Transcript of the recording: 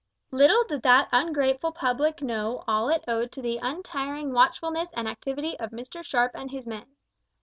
Little did that ungrateful public know all it owed to the untiring watchfulness and activity of Mr Sharp and his men.